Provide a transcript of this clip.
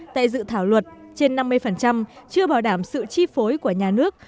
tại dự thảo luật trên năm mươi chưa bảo đảm sự chi phối của nhà nước